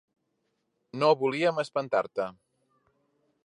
No volíem espantar-te.